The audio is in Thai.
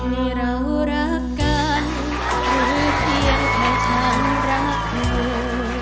นี่เรารักกันคือเพียงใครสามารถเผื่อ